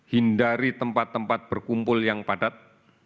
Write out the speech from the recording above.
hindari tempat tempat berkumpul yang padat